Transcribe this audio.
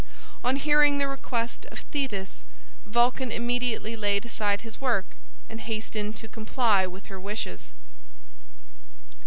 On hearing the request of Thetis, Vulcan immediately laid aside his work and hastened to comply with her wishes.